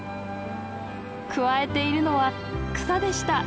くわえているのは草でした。